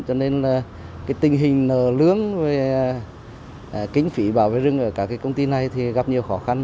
cho nên tình hình lưỡng về kinh phí bảo vệ rừng ở các công ty này gặp nhiều khó khăn